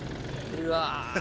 うわ。